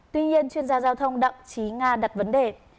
tuy nhiên chuyên gia giao thông đặng trí nga đặt vấn đề